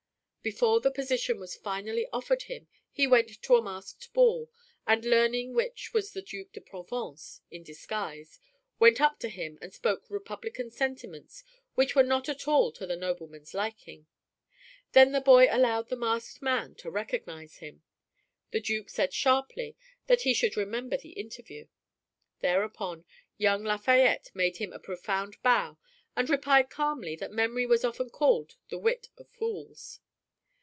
Before the position was finally offered him he went to a masked ball, and learning which was the Duc de Provence in disguise, went up to him and spoke republican sentiments which were not at all to the nobleman's liking. Then the boy allowed the masked man to recognize him. The Duc said sharply that he should remember the interview. Thereupon young Lafayette made him a profound bow and replied calmly that memory was often called the wit of fools.